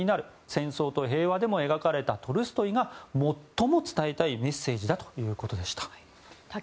「戦争と平和」でも描かれたトルストイが最も伝えたいメッセージだということでした。